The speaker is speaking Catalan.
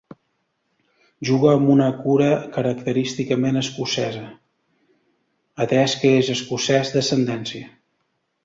Juga amb una cura característicament escocesa, atès que és escocès d'ascendència.